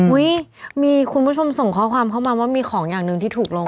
มีคุณผู้ชมส่งข้อความเข้ามาว่ามีของอย่างหนึ่งที่ถูกลง